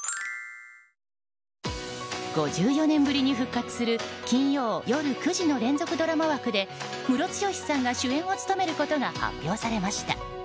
５４年ぶりに復活する金曜夜９時の連続ドラマ枠でムロツヨシさんが主演を務めることが発表されました。